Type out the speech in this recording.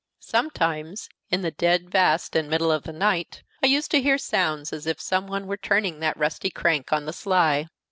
Sometimes, "In the dead vast and middle of the night," I used to hear sounds as if some one were turning that rusty crank on the sly.